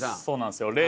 そうなんですよ。